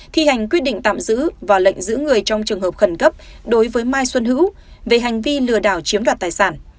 thi hành quyết định tạm giữ và lệnh giữ người trong trường hợp khẩn cấp đối với mai xuân hữu về hành vi lừa đảo chiếm đoạt tài sản